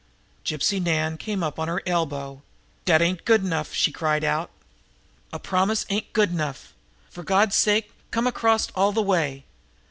Gypsy Nan came up on her elbow. "Dat ain't good enough!" she cried out. "A promise ain't good enough! For Gawd's sake, come across all de way!